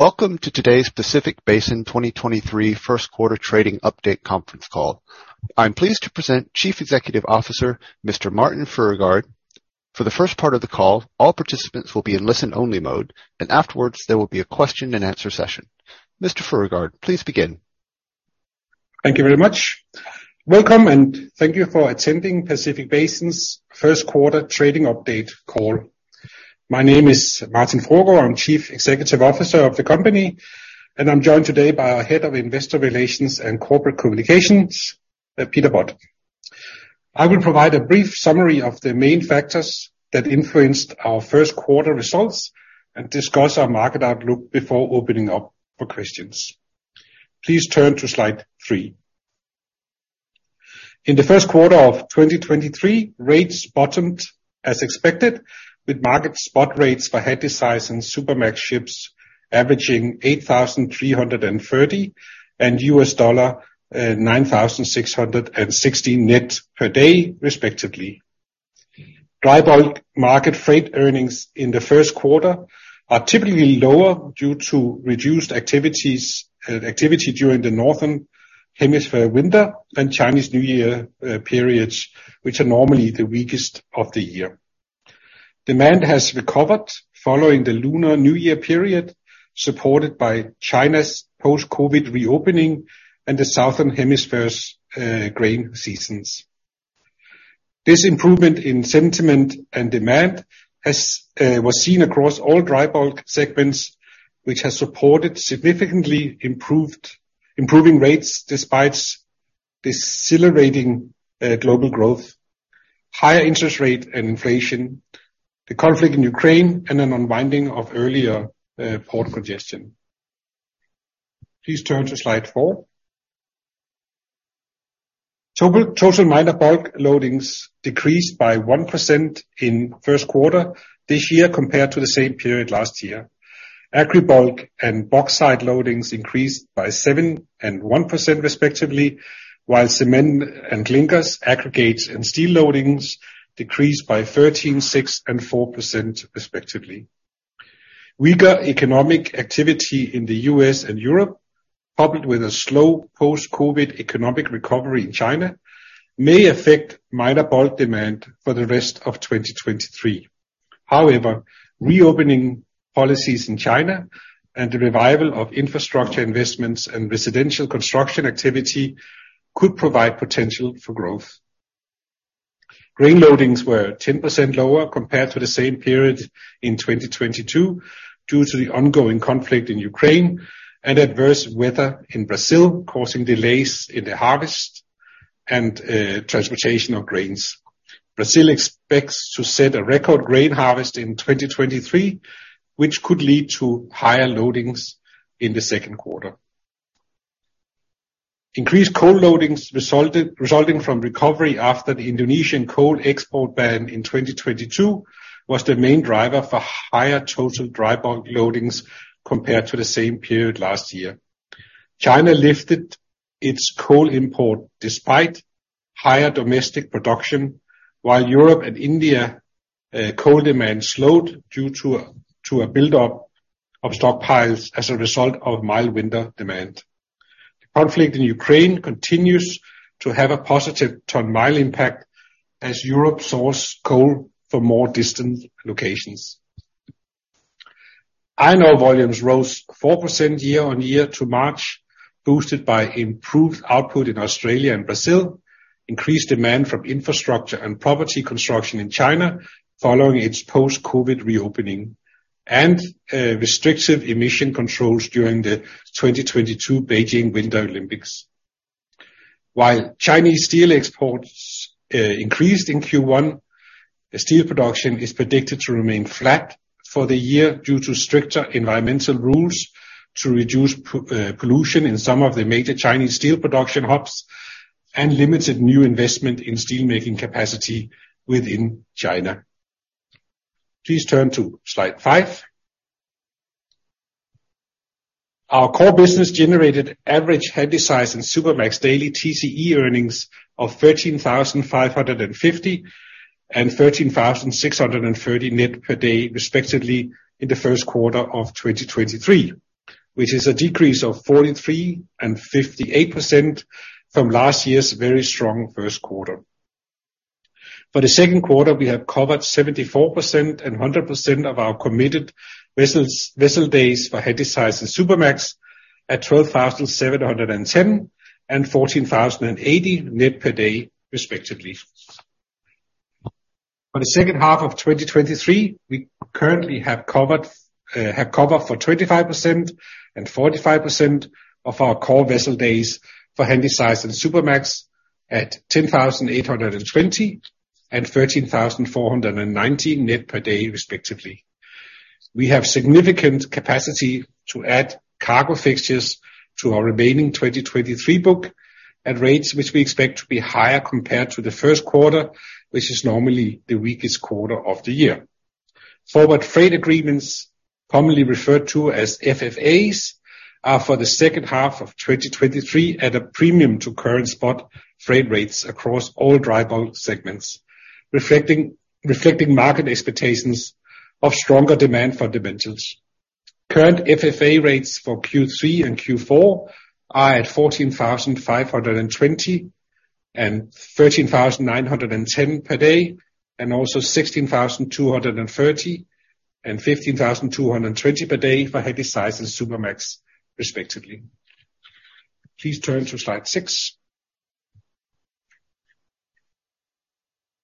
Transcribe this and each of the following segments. Welcome to today's Pacific Basin 2023 first quarter trading update conference call. I'm pleased to present Chief Executive Officer, Mr. Martin Fruergaard. For the first part of the call, all participants will be in listen-only mode. Afterwards, there will be a question and answer session. Mr. Fruergaard, please begin. Thank you very much. Welcome, and thank you for attending Pacific Basin's first quarter trading update call. My name is Martin Fruergaard. I'm Chief Executive Officer of the company, and I'm joined today by our Head of Investor Relations and Corporate Communications, Peter Budd. I will provide a brief summary of the main factors that influenced our first quarter results and discuss our market outlook before opening up for questions. Please turn to slide three. In the first quarter of 2023, rates bottomed as expected with market spot rates for Handysize and Supramax ships averaging $8,330 and $9,660 net per day, respectively. Dry bulk market freight earnings in the first quarter are typically lower due to reduced activity during the Northern Hemisphere winter and Chinese New Year periods, which are normally the weakest of the year. Demand has recovered following the Lunar New Year period, supported by China's post-COVID reopening and the Southern Hemisphere's grain seasons. This improvement in sentiment and demand was seen across all dry bulk segments, which has supported significantly improving rates despite decelerating global growth, higher interest rate and inflation, the conflict in Ukraine, and an unwinding of earlier port congestion. Please turn to slide four. Total minor bulk loadings decreased by 1% in first quarter this year compared to the same period last year. Agribulk and bauxite loadings increased by 7% and 1% respectively, while cement and clinkers, aggregates, and steel loadings decreased by 13%, 6%, and 4% respectively. Weaker economic activity in the U.S. and Europe, coupled with a slow post-COVID economic recovery in China, may affect minor bulk demand for the rest of 2023. However, reopening policies in China and the revival of infrastructure investments and residential construction activity could provide potential for growth. Grain loadings were 10% lower compared to the same period in 2022 due to the ongoing conflict in Ukraine and adverse weather in Brazil, causing delays in the harvest and transportation of grains. Brazil expects to set a record grain harvest in 2023, which could lead to higher loadings in the second quarter. Increased coal loadings resulting from recovery after the Indonesian coal export ban in 2022 was the main driver for higher total dry bulk loadings compared to the same period last year. China lifted its coal import despite higher domestic production, while Europe and India coal demand slowed due to a buildup of stockpiles as a result of mild winter demand. The conflict in Ukraine continues to have a positive ton-mile impact as Europe source coal from more distant locations. Iron ore volumes rose 4% year-on-year to March, boosted by improved output in Australia and Brazil, increased demand from infrastructure and property construction in China following its post-COVID reopening, restrictive emission controls during the 2022 Beijing Winter Olympics. While Chinese steel exports increased in Q1, steel production is predicted to remain flat for the year due to stricter environmental rules to reduce pollution in some of the major Chinese steel production hubs and limited new investment in steelmaking capacity within China. Please turn to slide five. Our core business generated average Handysize and Supramax daily TCE earnings of $13,550 and $13,630 net per day, respectively, in the first quarter of 2023, which is a decrease of 43% and 58% from last year's very strong first quarter. For the second quarter, we have covered 74% and 100% of our committed vessels, vessel days for Handysize and Supramax at $12,710 and $14,080 net per day respectively. For the second half of 2023, we currently have cover for 25% and 45% of our core vessel days for Handysize and Supramax at $10,820 and $13,419 net per day, respectively. We have significant capacity to add cargo fixtures to our remaining 2023 book at rates which we expect to be higher compared to the first quarter, which is normally the weakest quarter of the year. Forward Freight Agreements, commonly referred to as FFAs are for the second half of 2023 at a premium to current spot frame rates across all dry bulk segments, reflecting market expectations of stronger demand fundamentals. Current FFA rates for Q3 and Q4 are at $14,520 and $13,910 per day, $16,230 and $15,220 per day for Handysize and Supramax respectively. Please turn to slide six.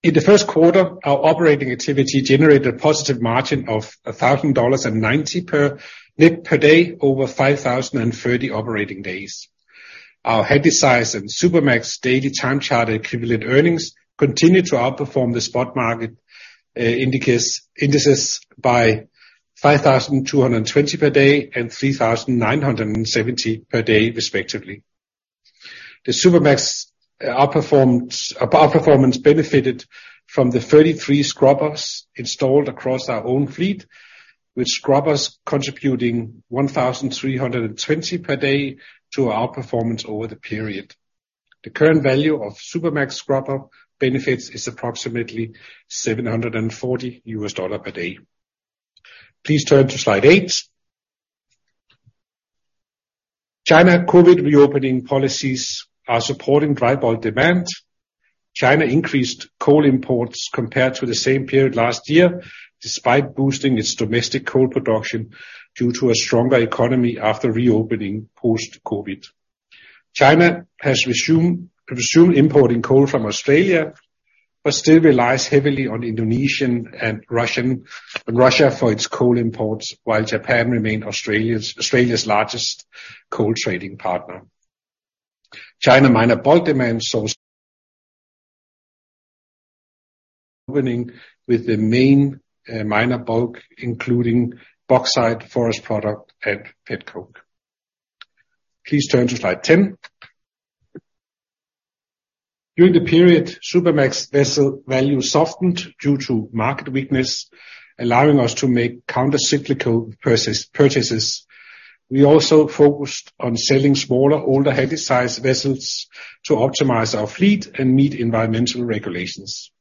In the first quarter, our operating activity generated a positive margin of $1,090 per net per day over 5,030 operating days. Our Handysize and Supramax daily time charter equivalent earnings continued to outperform the spot market indices by $5,220 per day and $3,970 per day respectively. The Supramax outperformance benefited from the 33 scrubbers installed across our own fleet, with scrubbers contributing $1,320 per day to our performance over the period. The current value of Supramax scrubber benefits is approximately $740 per day. Please turn to slide eight. China COVID reopening policies are supporting dry bulk demand. China increased coal imports compared to the same period last year, despite boosting its domestic coal production due to a stronger economy after reopening post-COVID. China has resumed importing coal from Australia, but still relies heavily on Indonesian and Russia for its coal imports, while Japan remained Australia's largest coal trading partner. China minor bulk demand source opening with the main minor bulk, including bauxite forest product, and petcoke. Please turn to slide 10. During the period, Supramax vessel value softened due to market weakness, allowing us to make counter-cyclical purchases. We also focused on selling smaller, older Handysize vessels to optimize our fleet and meet environmental regulations.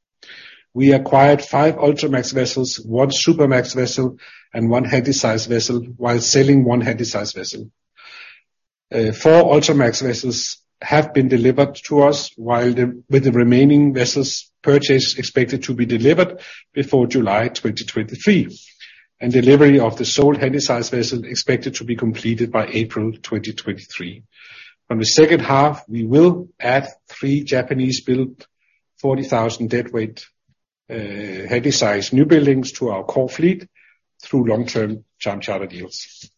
We acquired five Ultramax vessels, one Supramax vessel, and one Handysize vessel, while selling one Handysize vessel. four Ultramax vessels have been delivered to us, with the remaining vessels purchase expected to be delivered before July 2023, and delivery of the sold Handysize vessel expected to be completed by April 2023. On the second half, we will add three Japanese-built 40,000 deadweight Handysize new buildings to our core fleet through long-term time charter deals.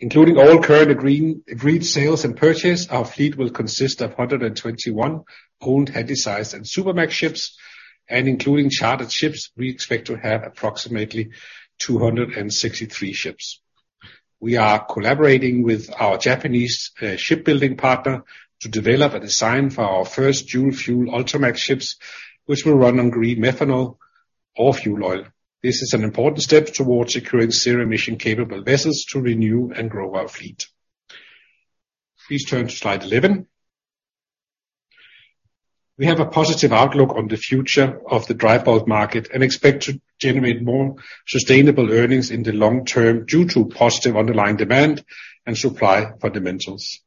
Including all current agreed sales and purchase, our fleet will consist of 121 owned Handysize and Supramax ships, and including chartered ships, we expect to have approximately 263 ships. We are collaborating with our Japanese shipbuilding partner to develop a design for our first dual-fuel Ultramax ships, which will run on green methanol or fuel oil. This is an important step towards securing zero-emission capable vessels to renew and grow our fleet. Please turn to slide 11. We have a positive outlook on the future of the dry bulk market and expect to generate more sustainable earnings in the long term due to positive underlying demand and supply fundamentals.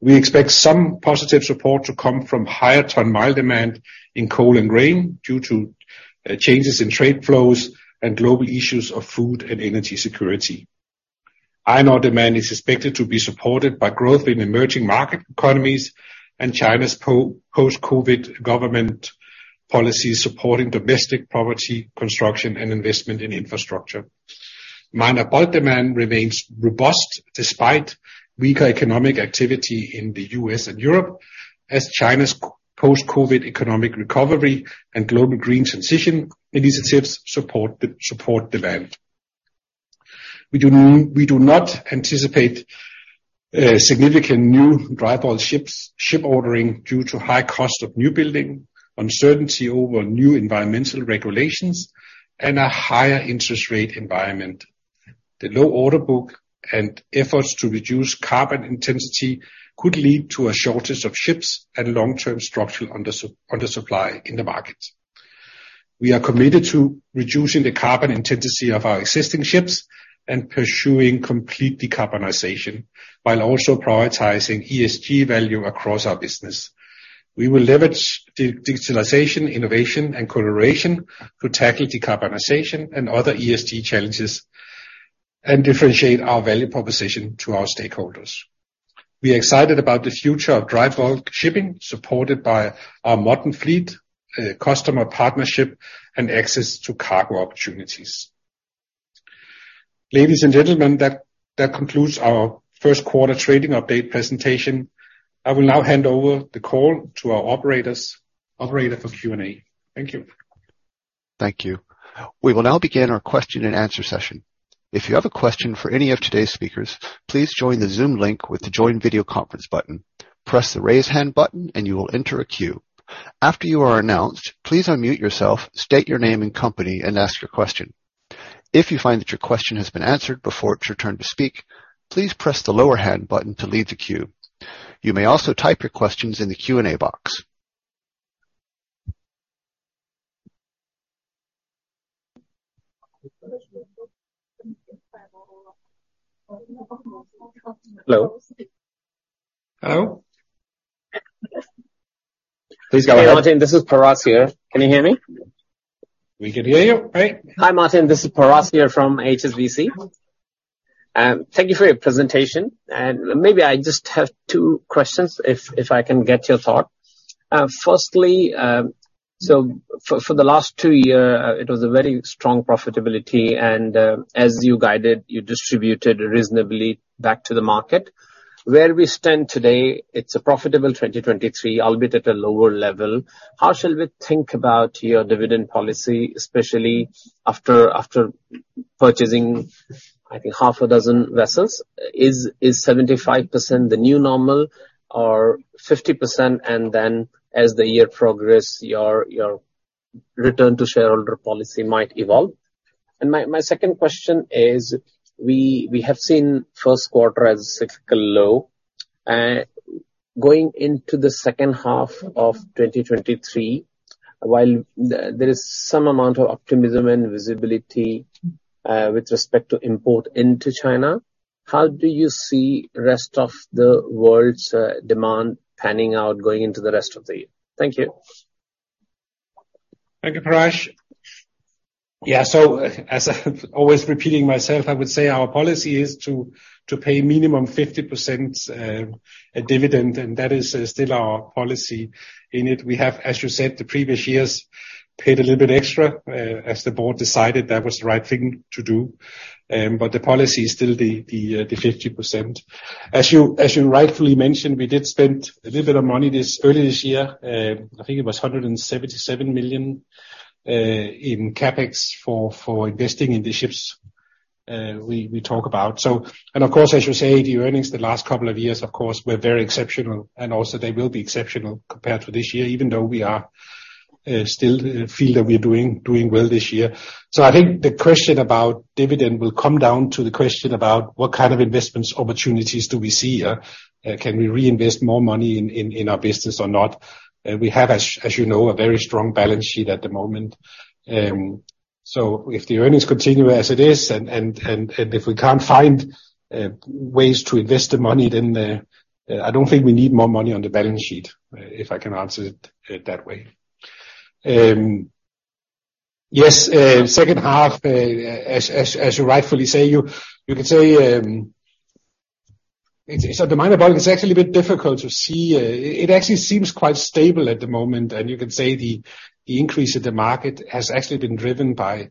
We expect some positive support to come from higher ton-mile demand in coal and grain due to changes in trade flows and global issues of food and energy security. Iron ore demand is expected to be supported by growth in emerging market economies and China's post-COVID government policies supporting domestic property construction and investment in infrastructure. Minor bulk demand remains robust despite weaker economic activity in the U.S. and Europe, as China's post-COVID economic recovery and global green transition initiatives support demand. We do not anticipate significant new dry bulk ships, ship ordering due to high cost of new building, uncertainty over new environmental regulations, and a higher interest rate environment. The low order book and efforts to reduce carbon intensity could lead to a shortage of ships at long-term structural under supply in the market. We are committed to reducing the carbon intensity of our existing ships and pursuing complete decarbonization, while also prioritizing ESG value across our business. We will leverage digitalization, innovation, and collaboration to tackle decarbonization and other ESG challenges and differentiate our value proposition to our stakeholders. We are excited about the future of dry bulk shipping supported by our modern fleet, customer partnership, and access to cargo opportunities. Ladies and gentlemen, that concludes our first quarter trading update presentation. I will now hand over the call to our operators, operator for Q&A. Thank you. Thank you. We will now begin our question and answer session. If you have a question for any of today's speakers, please join the Zoom link with the Join Video Conference button. Press the raise hand button and you will enter a queue. After you are announced, please unmute yourself, state your name and company, and ask your question. If you find that your question has been answered before it's your turn to speak, please press the lower hand button to leave the queue. You may also type your questions in the Q&A box. Hello? Hello. Please go ahead. Hi, Martin. This is Parash here. Can you hear me? We can hear you. Hi. Hi, Martin. This is Parash here from HSBC. Thank you for your presentation. Maybe I just have two questions if I can get your thought. Firstly, for the last two years, it was a very strong profitability, and as you guided, you distributed reasonably back to the market. Where we stand today, it's a profitable 2023, albeit at a lower level. How shall we think about your dividend policy, especially after purchasing, I think, half a dozen vessels? Is 75% the new normal or 50%, and then as the year progress, your return to shareholder policy might evolve? My second question is, we have seen first quarter as a cyclical low. Going into the second half of 2023, while there is some amount of optimism and visibility, with respect to import into China, how do you see rest of the world's demand panning out going into the rest of the year? Thank you. Thank you, Parash. Yeah. As I'm always repeating myself, I would say our policy is to pay minimum 50% dividend, and that is still our policy. We have, as you said, the previous years, paid a little bit extra as the board decided that was the right thing to do. But the policy is still the 50%. As you, as you rightfully mentioned, we did spend a little bit of money early this year. I think it was $177 million in CapEx for investing in the ships we talk about. And of course, I should say, the earnings the last couple of years, of course, were very exceptional. Also they will be exceptional compared to this year, even though we still feel that we're doing well this year. I think the question about dividend will come down to the question about what kind of investments opportunities do we see, can we reinvest more money in our business or not. We have, as you know, a very strong balance sheet at the moment. If the earnings continue as it is and if we can't find ways to invest the money, then I don't think we need more money on the balance sheet, if I can answer it that way. Yes, second half, as you rightfully say, you can say, it's a minor bulk. It's actually a bit difficult to see. It actually seems quite stable at the moment. You can say the increase in the market has actually been driven by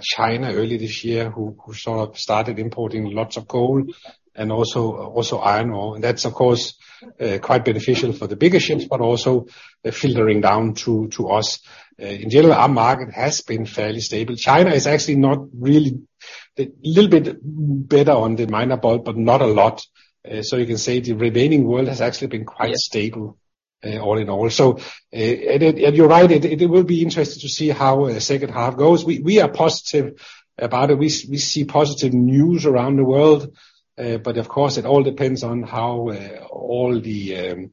China early this year, who sort of started importing lots of coal and also iron ore. That's, of course, quite beneficial for the bigger ships, but also filtering down to us. In general, our market has been fairly stable. China is actually not really. A little bit better on the minor bulk, but not a lot. You can say the remaining world has actually been quite stable all in all. You're right, it will be interesting to see how second half goes. We are positive about it. We see positive news around the world. Of course, it all depends on how all the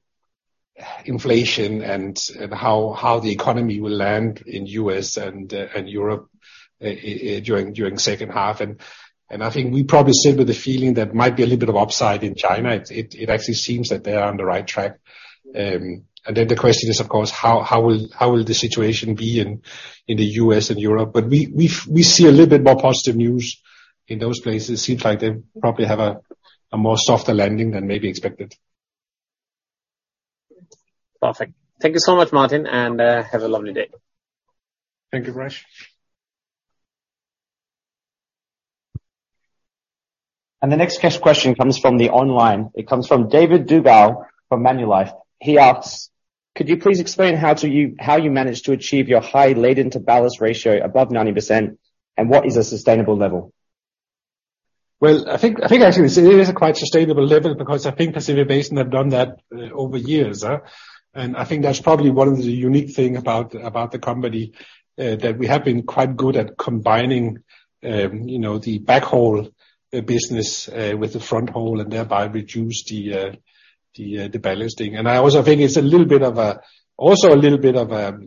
inflation and how the economy will land in U.S. and Europe during second half. I think we probably sit with the feeling that might be a little bit of upside in China. It actually seems that they are on the right track. Then the question is, of course, how will the situation be in the U.S. and Europe? We see a little bit more positive news in those places. Seems like they probably have a more softer landing than maybe expected. Perfect. Thank you so much, Martin, and have a lovely day. Thank you, Parash. The next question comes from the online. It comes from David Duval from Manulife. He asks: Could you please explain how you managed to achieve your high laden to ballast ratio above 90%, and what is a sustainable level? Well, I think actually it is a quite sustainable level because I think Pacific Basin have done that over years, and I think that's probably one of the unique thing about the company, that we have been quite good at combining, you know, the backhaul business with the front haul and thereby reduce the ballasting. I also think it's a little bit of a, also a little bit of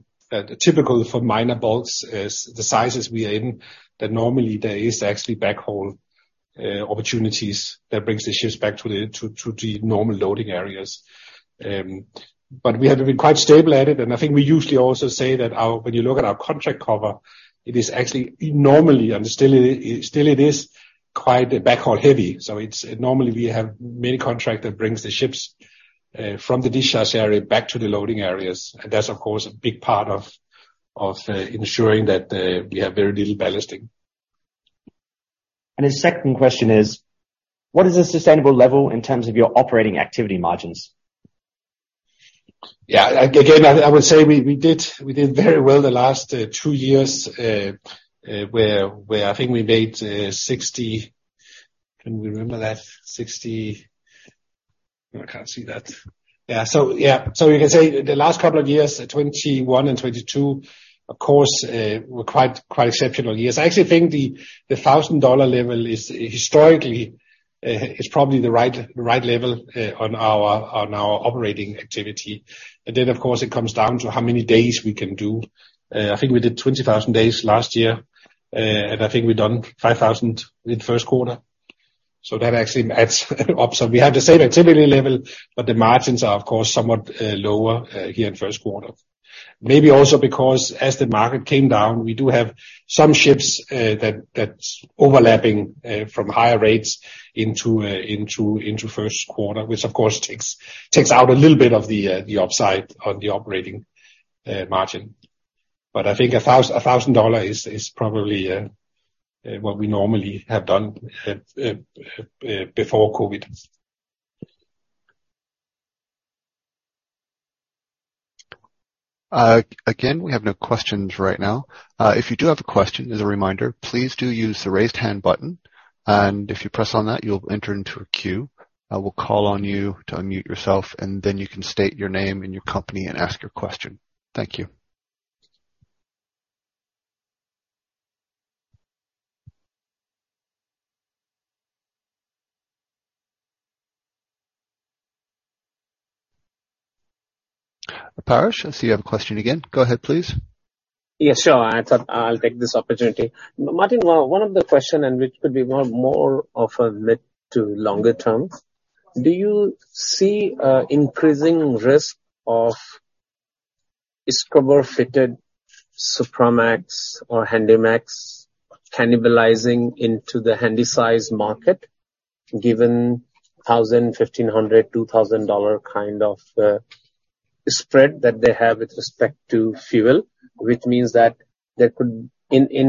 typical for minor bulks as the sizes we are in, that normally there is actually backhaul opportunities that brings the ships back to the normal loading areas. We have been quite stable at it, and I think we usually also say that when you look at our contract cover, it is actually normally, and still it is quite backhaul heavy. Normally, we have many contract that brings the ships from the discharge area back to the loading areas. That's, of course, a big part of ensuring that we have very little ballasting. His second question is: What is a sustainable level in terms of your operating activity margins? Yeah. Again, I would say we did very well the last two years, where I think we made. You can say the last couple of years, 2021 and 2022, of course, were quite exceptional years. I actually think the $1,000 level is historically, is probably the right level on our operating activity. Then, of course, it comes down to how many days we can do. I think we did 20,000 days last year, and I think we've done 5,000 in the first quarter. That actually adds up. We have the same activity level, but the margins are, of course, somewhat lower here in the first quarter. Maybe also because as the market came down, we do have some ships, that's overlapping from higher rates into first quarter, which of course takes out a little bit of the upside on the operating margin. I think $1,000 is probably what we normally have done before COVID. Again, we have no questions right now. If you do have a question, as a reminder, please do use the Raise Hand button, if you press on that, you'll enter into a queue. I will call on you to unmute yourself, and then you can state your name and your company and ask your question. Thank you. Parash, I see you have a question again. Go ahead, please. Yes, sure. I thought I'll take this opportunity. Martin, one of the question, which could be more of a mid to longer term, do you see a increasing risk of scrubber-fitted Supramax or Handymax cannibalizing into the Handysize market, given $1,000, $1,500, $2,000 kind of spread that they have with respect to fuel? In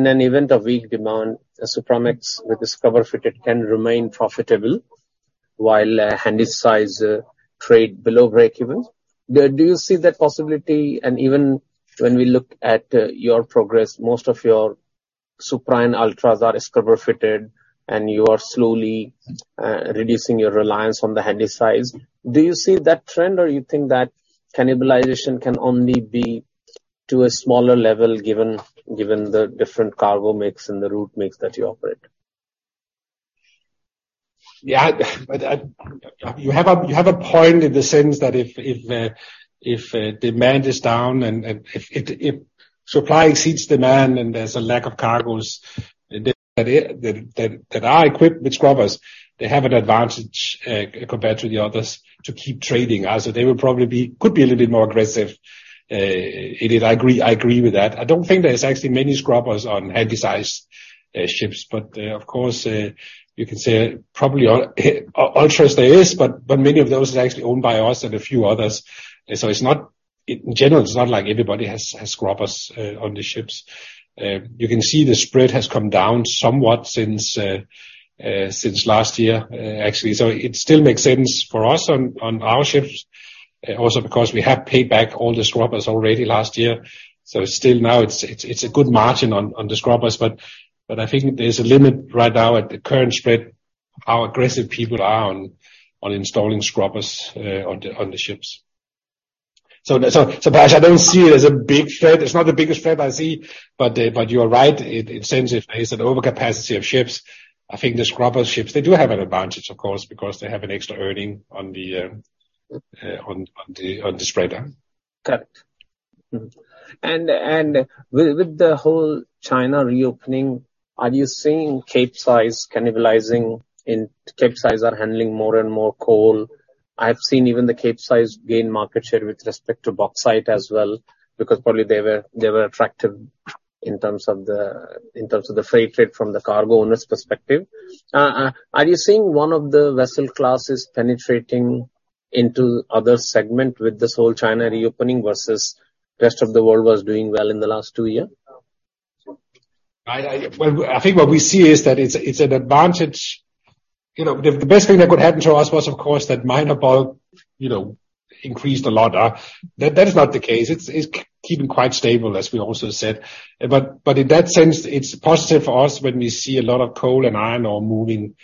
an event of weak demand, a Supramax with a scrubber fitted can remain profitable while a Handysize trade below breakeven. Do you see that possibility? Even when we look at your progress, most of your Suprahands Ultras are scrubber-fitted, and you are slowly reducing your reliance on the Handysize. Do you see that trend, or you think that cannibalization can only be to a smaller level given the different cargo mix and the route mix that you operate? You have a point in the sense that if demand is down and if supply exceeds demand and there's a lack of cargos that are equipped with scrubbers, they have an advantage compared to the others to keep trading. They will probably could be a little bit more aggressive. I did agree, I agree with that. I don't think there's actually many scrubbers on Handysize ships, of course, you can say probably on Ultras there is, but many of those is actually owned by us and a few others. It's not. In general, it's not like everybody has scrubbers on the ships. You can see the spread has come down somewhat since last year actually. It still makes sense for us on our ships, also because we have paid back all the scrubbers already last year. Still now, it's a good margin on the scrubbers. I think there's a limit right now at the current spread, how aggressive people are on installing scrubbers on the ships. Parash, I don't see it as a big threat. It's not the biggest threat I see. You are right. It makes sense if there is an overcapacity of ships, I think the scrubber ships, they do have an advantage, of course, because they have an extra earning on the spread. Correct. Mm-hmm. With the whole China reopening, are you seeing Capesize cannibalizing? Capesize are handling more and more coal. I've seen even the Capesize gain market share with respect to bauxite as well, because probably they were attractive in terms of the freight rate from the cargo owners' perspective. Are you seeing one of the vessel classes penetrating into other segment with this whole China reopening versus rest of the world was doing well in the last two years? Well, I think what we see is that it's an advantage. You know, the best thing that could happen to us was, of course, that minor bulk, you know, increased a lot. That is not the case. It's keeping quite stable, as we also said. In that sense, it's positive for us when we see a lot of coal and iron ore moving,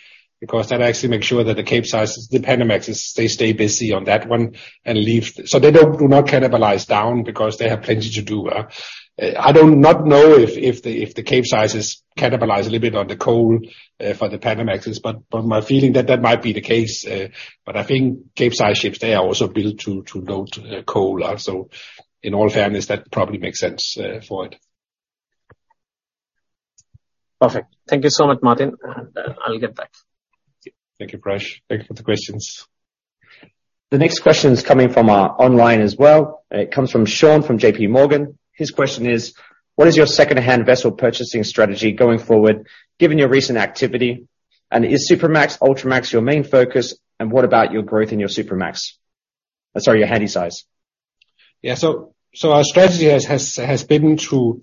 because that actually makes sure that the Capesizes, the Panamax, they stay busy on that one and leave. They do not cannibalize down because they have plenty to do. I do not know if the Capesizes cannibalize a little bit on the coal for the Panamax, but my feeling that that might be the case. I think Capesize ships, they are also built to load coal. In all fairness, that probably makes sense for it. Perfect. Thank you so much, Martin. I'll get back. Thank you, Parash. Thank you for the questions. The next question is coming from our online as well. It comes from Sean from JP Morgan. His question is: What is your second-hand vessel purchasing strategy going forward, given your recent activity? Is Supramax, Ultramax your main focus? What about your growth in your Supramax? Sorry, your Handysize. Our strategy has been to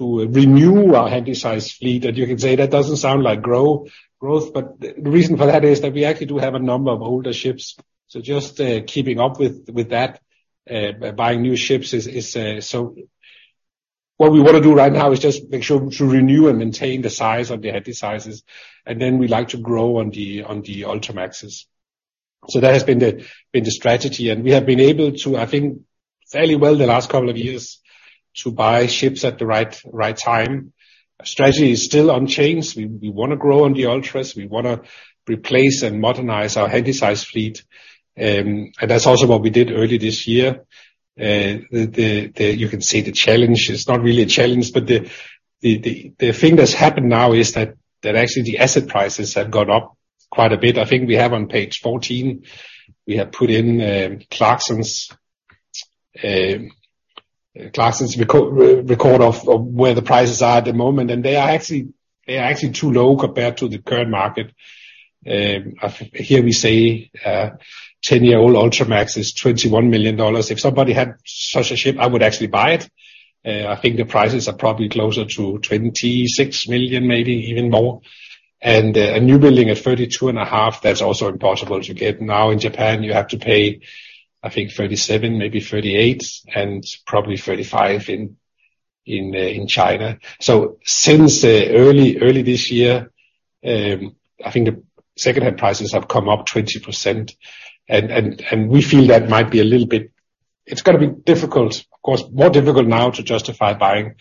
renew our Handysize fleet. You can say that doesn't sound like grow, growth, but the reason for that is that we actually do have a number of older ships. Just keeping up with that, buying new ships is what we wanna do right now is just make sure to renew and maintain the size of the Handysizes, and then we like to grow on the Ultramaxes. That has been the strategy, and we have been able to, I think, fairly well the last couple of years to buy ships at the right time. Our strategy is still unchanged. We wanna grow on the Ultras. We wanna replace and modernize our Handysize fleet. That's also what we did early this year. It's not really a challenge, but the thing that's happened now is that actually the asset prices have gone up quite a bit. I think we have on page 14, we have put in Clarksons record of where the prices are at the moment. They are actually too low compared to the current market. Here we say a 10-year-old Ultramax is $21 million. If somebody had such a ship, I would actually buy it. I think the prices are probably closer to $26 million, maybe even more. A new building at $32 and a half, that's also impossible to get now. In Japan, you have to pay, I think, $37 million, maybe $38 million. Probably $35 million in China. Since early this year, I think the secondhand prices have come up 20%. We feel that might be a little bit... It's gonna be difficult, of course, more difficult now to justify buying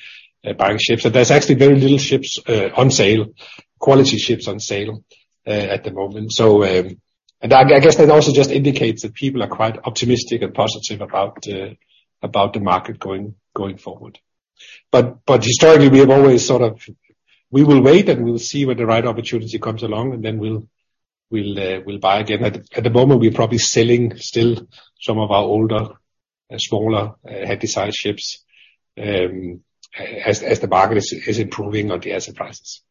ships. There's actually very little ships on sale, quality ships on sale at the moment. I guess that also just indicates that people are quite optimistic and positive about the market going forward. Historically, we have always sort of, we will wait, and we'll see when the right opportunity comes along, and then we'll buy again. At the moment, we're probably selling still some of our older, smaller Handysize ships, as the market is improving on the asset prices.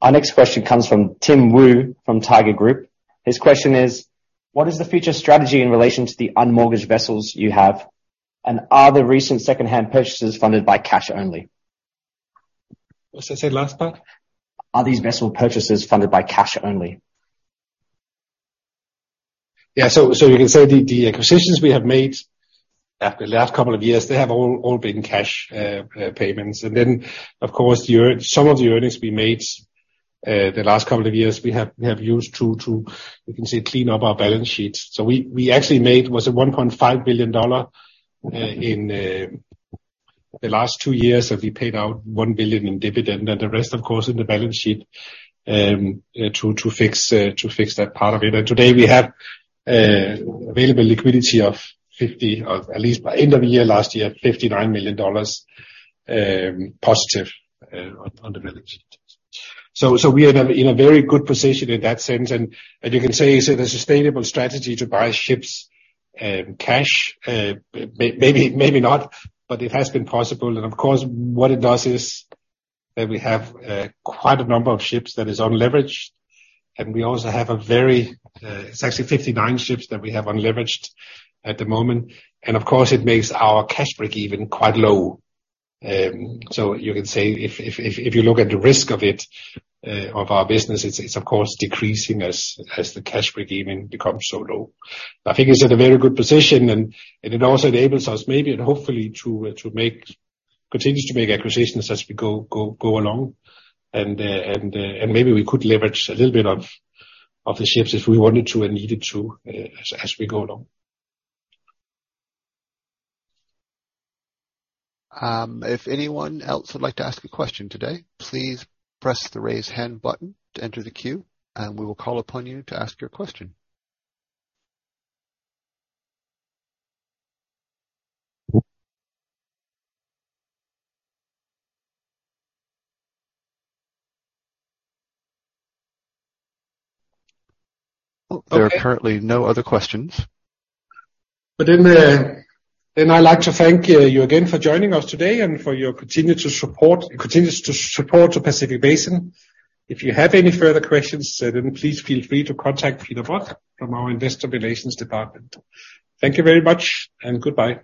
Our next question comes from Tim Wu from Tiger Group. His question is: What is the future strategy in relation to the unmortgaged vessels you have, and are the recent secondhand purchases funded by cash only? What's that say last part? Are these vessel purchases funded by cash only? You can say the acquisitions we have made the last couple of years, they have been cash payments. Of course, some of the earnings we made the last couple of years, we have used to, you can say, clean up our balance sheets. We actually made was a $1.5 billion in the last two years, and we paid out $1 billion in dividend. The rest, of course, in the balance sheet, to fix that part of it. Today, we have available liquidity of at least by end of the year, last year, $59 million positive on the balance sheet. We are in a very good position in that sense. You can say, is it a sustainable strategy to buy ships cash? Maybe, maybe not, but it has been possible. Of course, what it does is that we have quite a number of ships that is unleveraged, and we also have a very. It's actually 59 ships that we have unleveraged at the moment. Of course, it makes our cash break even quite low. You can say if you look at the risk of it, of our business, it's of course decreasing as the cash break even becomes so low. I think it's at a very good position and it also enables us maybe and hopefully to make, continue to make acquisitions as we go along. Maybe we could leverage a little bit of the ships if we wanted to and needed to, as we go along. If anyone else would like to ask a question today, please press the Raise Hand button to enter the queue, we will call upon you to ask your question. There are currently no other questions. I'd like to thank you again for joining us today and for your continued support, continues to support to Pacific Basin. If you have any further questions, please feel free to contact Peter Budd from our Investor Relations department. Thank you very much and goodbye.